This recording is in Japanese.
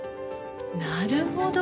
なるほど。